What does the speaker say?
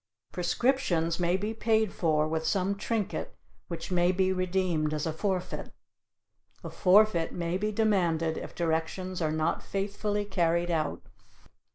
Prescriptions may be paid for with some trinket which may be redeemed as a forfeit. A forfeit may be demanded if directions are not faithfully carried out.